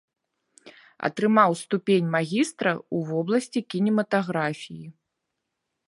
Атрымаў ступень магістра ў вобласці кінематаграфіі.